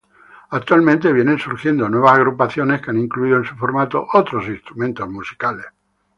Actualmente vienen surgiendo nuevas agrupaciones que han incluido en su formato otros instrumentos musicales.